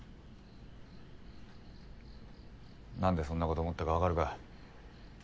何でそんなこと思ったかわかるか？